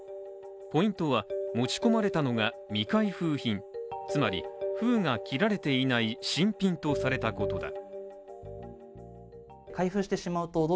ポイントは、持ち込まれたのが未開封品、つまり封が切られていない新品とされたことだ。